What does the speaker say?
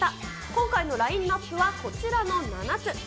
今回のラインナップは、こちらの７つ。